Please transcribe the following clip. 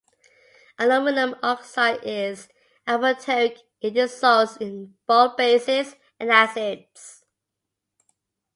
Aluminium oxide is amphoteric: it dissolves in both bases and acids.